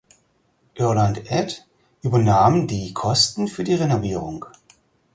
Ireland Aid übernahm die Kosten für die Renovierung.